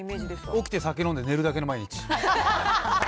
起きて酒飲んで寝るだけの毎日。